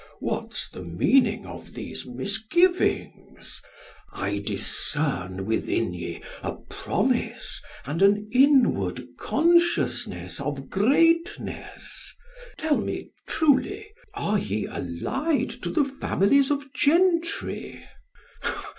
What's the meaning Of these misgivings? I discern within ye A promise and an inward consciousness Of greatness. Tell me truly: are ye allied To the families of gentry?